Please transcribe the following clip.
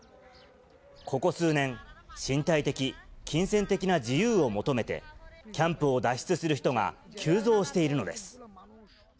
ここ数年、身体的、金銭的な自由を求めて、キャンプを脱出する人が急増しているのです。